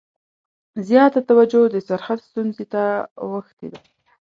زیاته توجه د سرحد ستونزې ته اوښتې ده.